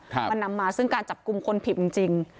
มันนำมาซึ่งการจับกลุ่มคนผิดจริงจริง